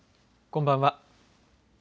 こんばんは。